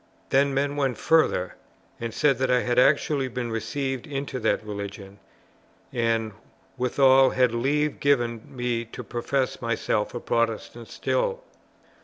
Then men went further, and said that I had actually been received into that religion, and withal had leave given me to profess myself a Protestant still.